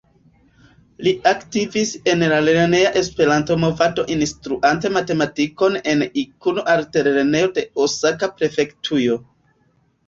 Li aktivis en la lerneja Esperanto-movado instruante matematikon en Ikuno-Altlernejo de Osaka-prefektujo.